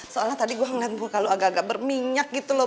soalnya tadi gue ngeliat bung kalau agak agak berminyak gitu loh